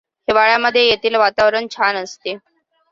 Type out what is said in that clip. हिवाळ्यामध्ये येथील वातावरण छान असते.